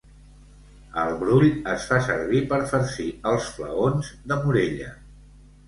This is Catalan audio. El brull es fa servir per farcir els flaons de Morella.